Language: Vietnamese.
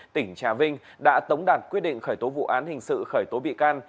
tỉnh trà vinh đã tống đạt quyết định khởi tố vụ án hình sự khởi tố bị can